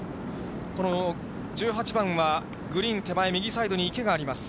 この１８番は、グリーン手前、右サイドに池があります。